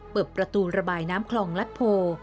เปิดประตูระบายน้ำคลองลัดโพ